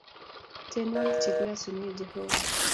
tienwogik che kilosune jehova